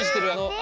あ！